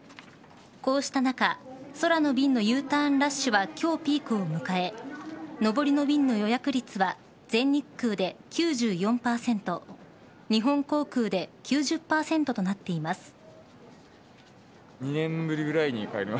こうした中空の便のＵターンラッシュは今日、ピークを迎え上りの便の予約率は全日空で９４％日本航空で９０％となっています。